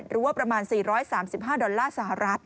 หรือว่าประมาณ๔๓๕ดอลลาร์สหรัฐ